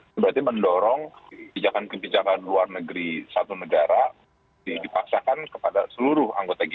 itu berarti mendorong kebijakan kebijakan luar negeri satu negara dipaksakan kepada seluruh anggota g dua